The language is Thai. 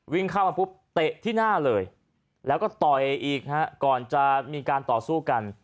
วิ่งเข้ามาปุ๊บเตะที่หน้าเลยแล้วก็ต่อยอีกฮะก่อนจะมีการต่อสู้กัน